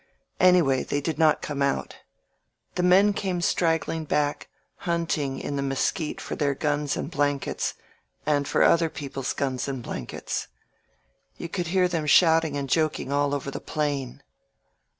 Anyway, they did not come out. The men came straggling back, hunting in the mesquite for their guns and blankets, and for other people's guns and blankets. You could hear them shouting and joking all over the plain.